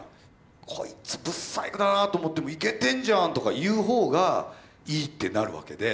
こいつ不細工だなと思っても「イケてんじゃん」とか言う方がいいってなるわけで。